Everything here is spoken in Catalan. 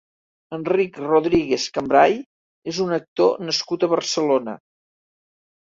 Enric Rodríguez Cambray és un actor nascut a Barcelona.